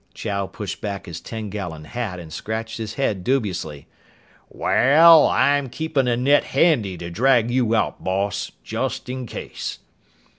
'" Chow pushed back his ten gallon hat and scratched his head dubiously. "Wal, I'm keepin' a net handy to drag you out, boss, just in case."